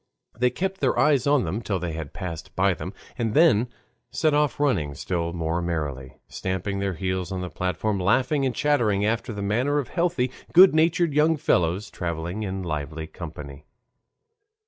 They kept their eyes on them till they had passed by them, and then set off running still more merrily, stamping their heels on the platform, laughing and chattering after the manner of healthy, good natured young fellows, traveling in lively company.